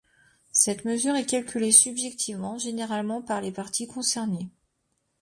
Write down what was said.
Cette mesure est calculée subjectivement, généralement par les parties concernées.